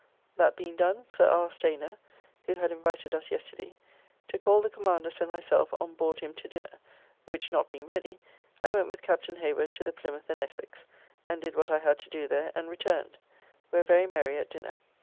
That being done, Sir R. Stayner, who had invited us yesterday, took all the Commanders and myself on board him to dinner, which not being ready, I went with Captain Hayward to the Plimouth and Essex, and did what I had to do there and returned, where very merry at dinner.